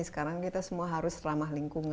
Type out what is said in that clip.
sekarang kita semua harus ramah lingkungan